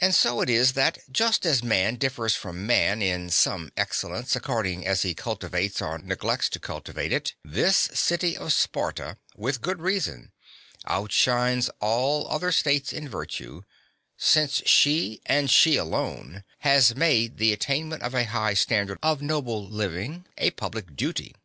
And so it is that, just as man differs from man in some excellence, according as he cultivates or neglects to cultivate it, this city of Sparta, with good reason, outshines all other states in virtue; since she, and she alone, as made the attainment of a high standard of noble living a public duty.